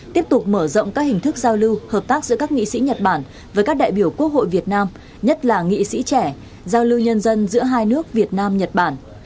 tiếp tục mở rộng các hình thức giao lưu hợp tác giữa các nghị sĩ nhật bản với các đại biểu quốc hội việt nam nhất là nghị sĩ trẻ giao lưu nhân dân giữa hai nước việt nam nhật bản